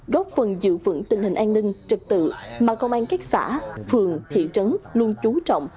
góp phần giữ vững tình hình an ninh trực tự mà công an các xã phường thị trấn luôn trú trọng